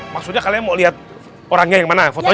maksudnya kalian mau lihat orangnya yang mana fotonya